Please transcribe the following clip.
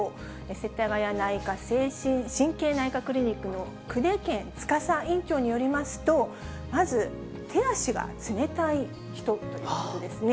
せたがや内科神経内科クリニックの久手堅司院長によりますと、まず手足が冷たい人ということですね。